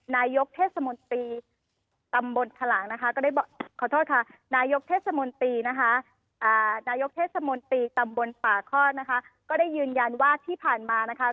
นายกเทศมนตรีตำบลภาคล่อนนะคะก็ได้ยืนยันว่าที่ผ่านมานะคะ